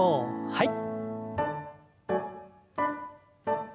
はい。